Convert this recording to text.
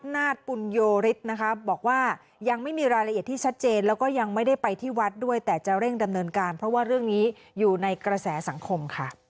น่าจะไม่ถึงปีครับ